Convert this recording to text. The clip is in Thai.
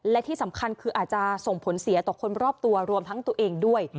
และที่สำคัญคืออาจจะส่งผลเสียต่อคนรอบตัวรวมทั้งตัวเองด้วย